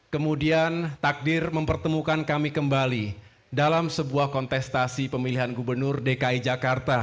kemudian takdir mempertemukan kami kembali dalam sebuah kontestasi pemilihan gubernur dki jakarta